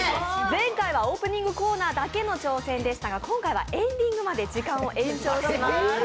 前回はオープニングコーナーだけの挑戦でしたが今回はエンディングまで時間を延長します。